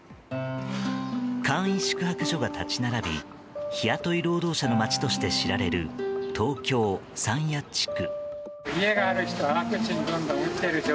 簡易宿泊所が立ち並び日雇い労働者の町として知られる東京・山谷地区。